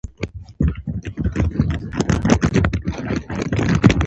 هغوی په هېڅ ډول د ټولنې ګټې په پام کې نه نیسي